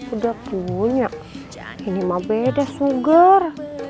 udah punya ini mah beda sugar